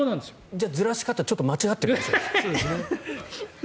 じゃあ、ずらし方ちょっと間違ってますよ。